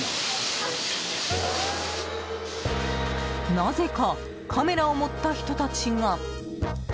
なぜかカメラを持った人たちが。